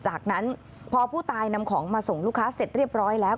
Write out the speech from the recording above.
จากนั้นพอผู้ตายนำของมาส่งลูกค้าเสร็จเรียบร้อยแล้ว